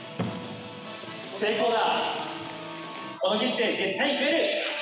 成功だ。